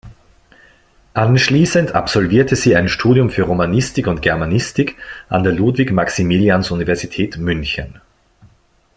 Anschließend absolvierte sie ein Studium für Romanistik und Germanistik an der Ludwig-Maximilians-Universität München.